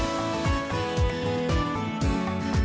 ด้วยรถร้ายที่วิจัยดูนะครับ